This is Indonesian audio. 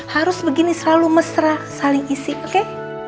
harus begini selalu mesra saling isi oke